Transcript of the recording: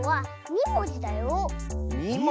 ２もじ？